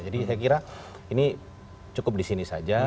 jadi saya kira ini cukup di sini saja